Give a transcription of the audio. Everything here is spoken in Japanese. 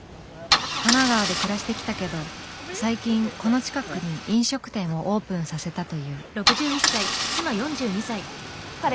神奈川で暮らしてきたけど最近この近くに飲食店をオープンさせたという。